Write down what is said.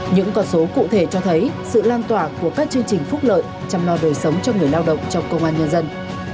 những con số cụ thể cho thấy sự lan tỏa của các chương trình phúc lợi chăm lo đời sống cho người lao động trong công an nhân dân